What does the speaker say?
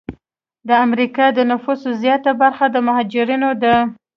د امریکا د نفوسو زیاته برخه د مهاجرینو ده.